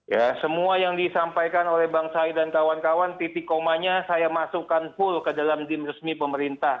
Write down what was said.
ya semua yang disampaikan oleh bang said dan kawan kawan titik komanya saya masukkan full ke dalam dim resmi pemerintah